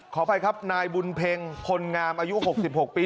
ขออภัยครับนายบุญเพ็งพลงามอายุ๖๖ปี